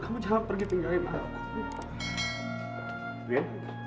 kamu jangan pergi tinggalin aku